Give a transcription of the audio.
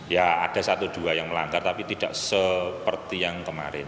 ya ada satu dua yang melanggar tapi tidak seperti yang kemarin